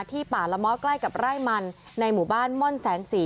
ป่าละม้อใกล้กับไร่มันในหมู่บ้านม่อนแสงสี